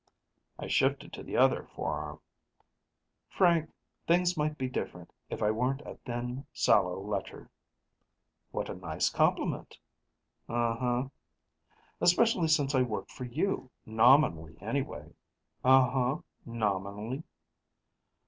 I shifted to the other forearm. "Frank, things might be different if I weren't a thin, sallow lecher." "What a nice compliment " "Uh huh." "Especially since I work for you, nominally anyway " "Uh huh, nominally."